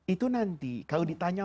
itu nanti kalau ditanya